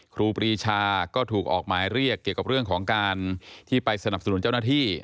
ครูปรีชาก็ถูกออกหมายเรียกเกี่ยวกับเรื่องของการที่ไปสนับสนุนเจ้าหน้าที่